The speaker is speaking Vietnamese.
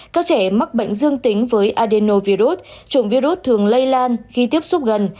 các bệnh dương tính với adenovirus trụng virus thường lây lan khi tiếp xúc gần